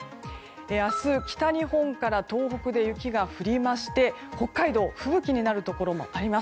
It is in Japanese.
明日、北日本から東北で雪が降りまして北海道吹雪になるところもあります。